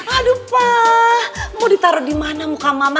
aduh pak mau ditaruh dimana muka mama